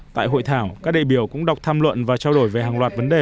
tại hội thảo các đại biểu cũng đọc tham luận và trao đổi về hàng loạt vấn đề